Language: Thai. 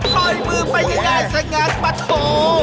ปล่อยมือไปยังไงสัญญาณปะโถ